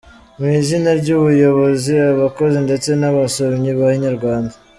Mu izina ry'ubuyobozi, abakozi ndetse n'abasomyi ba Inyarwanda.